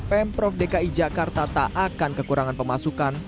pemprov dki jakarta tak akan kekurangan pemasukan